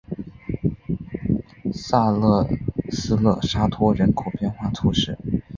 萨勒斯勒沙托人口变化图示